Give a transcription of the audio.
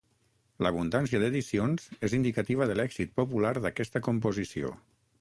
L'abundància d'edicions és indicativa de l'èxit popular d'aquesta composició.